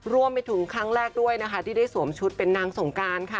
รวมไปถึงครั้งแรกด้วยนะคะที่ได้สวมชุดเป็นนางสงการค่ะ